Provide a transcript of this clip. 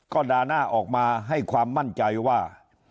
ก็ด่าหน้าออกมาให้ความมั่นใจว่า